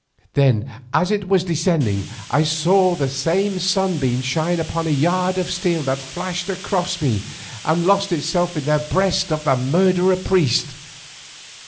Then as it was descending I saw the same sunbeam shine upon a yard of steel that flashed across me and lost itself in the breast of the murderer priest.